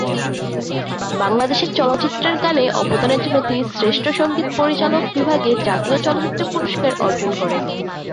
বাংলাদেশের চলচ্চিত্রের গানে অবদানের জন্য তিনি শ্রেষ্ঠ সঙ্গীত পরিচালক বিভাগে জাতীয় চলচ্চিত্র পুরস্কার অর্জন করেন।